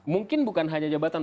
mungkin bukan hanya jabatan